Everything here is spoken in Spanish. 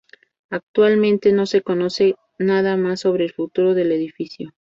Actualmente no se conoce nada más sobre el futuro del edificio.